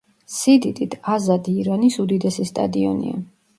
სიდიდით, აზადი ირანის უდიდესი სტადიონია.